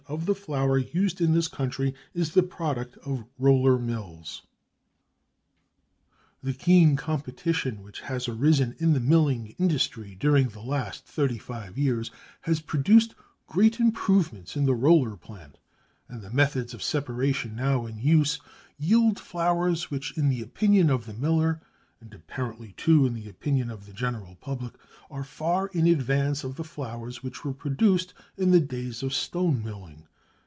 of the flour used in this country is the product of roller mills. The keen competition which has arisen in the milling industry during the last 35 years has produced great improvements in roller plant, and the methods of separation now in use yield flours which in the opinion of the miller, and apparently too in the opinion of the general public, are far in advance of the flours which were produced in the days of stone milling.